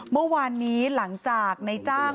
เมื่อวานนี้หลังจากในจ้าง